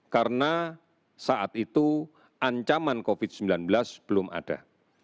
karena saat itu ancaman covid sembilan belas belum ada